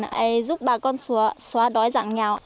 để giúp bà con xóa đói giảm nghèo